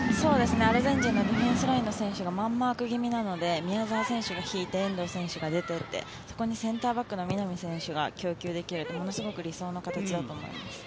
アルゼンチンのディフェンスラインの選手がマンマーク気味なので宮澤選手が引いて遠藤選手が出てってそこにセンターバックの南選手が供給できるってものすごく理想の形だと思います。